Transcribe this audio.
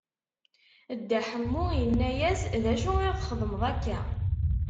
Dda Ḥemmu inna-yas: D acu i ɣ-txedmeḍ akka?